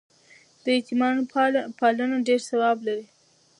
د یتیمانو پالنه ډېر ثواب لري.